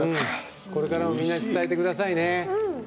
これからもみんなに伝えてくださいね。